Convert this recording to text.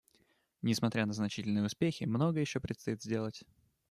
Несмотря на значительные успехи, многое еще предстоит сделать.